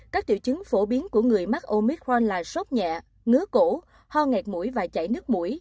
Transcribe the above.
các triệu chứng phổ biến của người mắc omicron là sốt nhẹ ngứa cổ ho ngạt mũi và chảy nước mũi